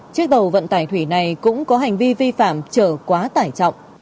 chiếc tàu vận tải thủy này cũng có hành vi vi phạm chở quá tải trọng